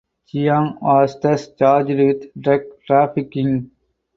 Cheong was thus charged with drug trafficking.